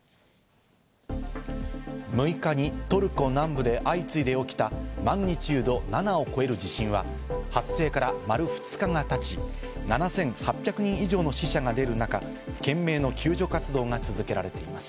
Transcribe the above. ６日にトルコ南部で相次いで起きたマグニチュード７を超える地震は、発生から丸２日が経ち、７８００人以上の死者が出るなか懸命の救助活動が続けられています。